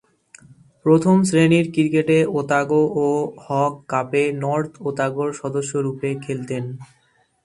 প্রথম-শ্রেণীর ক্রিকেটে ওতাগো ও হক কাপে নর্থ ওতাগোর সদস্যরূপে খেলতেন।